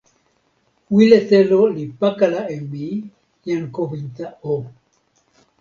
wile telo li pakala e mi, jan Kowinta o!